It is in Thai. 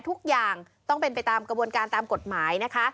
ทุกอย่างต้องเป็นไปตามกระบวนการตามกฎหมายนะคะ